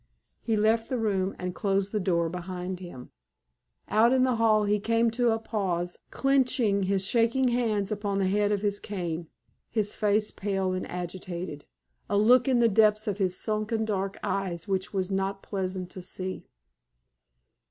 He left the room and closed the door behind him. Out in the hall he came to a pause, clinching his shaking hands upon the head of his cane, his face pale and agitated, a look in the depths of his sunken dark eyes which was not pleasant to see.